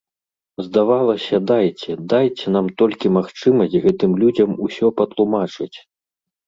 Здавалася, дайце, дайце нам толькі магчымасць гэтым людзям усё патлумачыць!